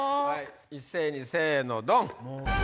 一斉にせのドン！